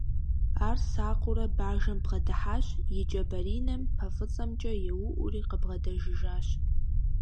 Ар сакъыурэ бажэм бгъэдыхьащ, и кӀэ баринэм пэ фӀыцӀэмкӀэ еуӀури къыбгъэдэжыжащ.